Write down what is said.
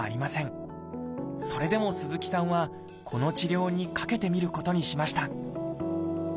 それでも鈴木さんはこの治療にかけてみることにしました。